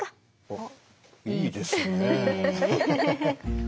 あっいいですね。